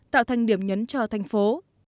tạo thành điểm nhấn cho thành phố